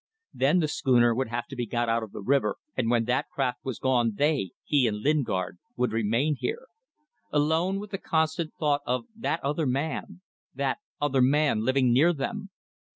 Then the schooner would have to be got out of the river, and when that craft was gone they he and Lingard would remain here; alone with the constant thought of that other man, that other man living near them!